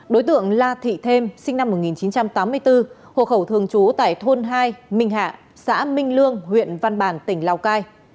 đối tượng la thị thêm sinh năm một nghìn chín trăm tám mươi bốn hộ khẩu thường trú tại thôn hai minh hạ xã minh lương huyện văn bàn tỉnh lào cai